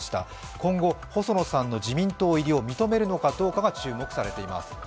今後、細野さんの自民党入りを認めるのかどうかが注目されています。